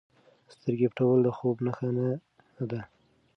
سترګې پټول د خوب نښه نه ده.